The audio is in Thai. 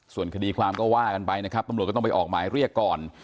ส่วนคดีความก็ว่ากันไปนะครับตำรวจก็ต้องไปออกหมายเรียกก่อน